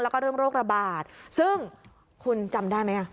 แล้วก็เรื่องโรคระบาดซึ่งคุณจำได้ไหม